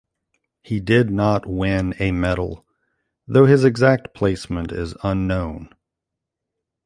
He did not win a medal, though his exact placement is unknown.